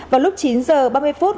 vào lúc chín giờ ba mươi phút